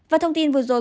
và thông tin vừa rồi